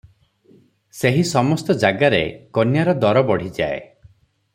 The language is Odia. ସେହି ସମସ୍ତ ଜାଗାରେ କନ୍ୟାର ଦର ବଢ଼ିଯାଏ ।